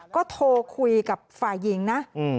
ก็โทรคุยกับฝ่ายหญิงนะ